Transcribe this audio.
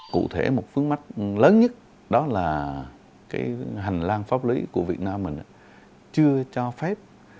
cụ thể một phương mắt lớn nhất đó là hành lang pháp lý của việt nam chưa cho phép